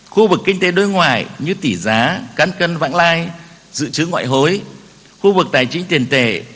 khu vực kinh tế đối ngoại như tỷ giá cán cân vãng lai dự trữ ngoại hối khu vực tài chính tiền tệ